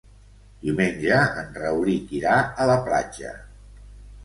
Diumenge en Rauric irà a la platja.